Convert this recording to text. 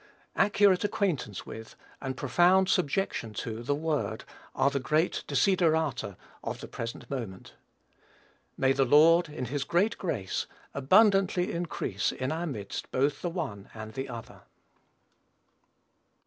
Accurate acquaintance with, and profound subjection to, the Word, are the great desiderata of the present moment. May the Lord, in his great grace, abundantly increase in our midst both the one and the other.